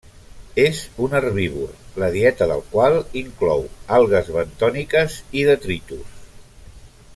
És un herbívor, la dieta del qual inclou algues bentòniques i detritus.